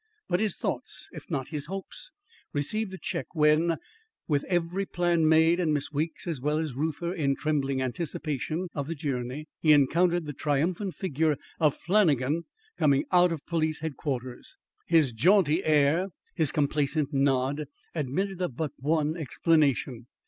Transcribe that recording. But his thoughts, if not his hopes, received a check when, with every plan made and Miss Weeks, as well as Reuther, in trembling anticipation of the journey, he encountered the triumphant figure of Flannagan coming out of Police Headquarters. His jaunty air, his complaisant nod, admitted of but one explanation.